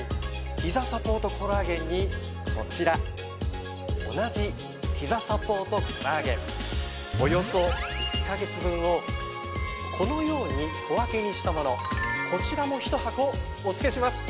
ひざサポートコラーゲンにこちら同じひざサポートコラーゲンおよそ１ヵ月分をこのように小分けにしたものこちらも１箱お付けします。